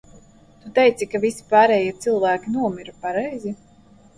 Tu teici, ka visi pārējie cilvēki nomira, pareizi?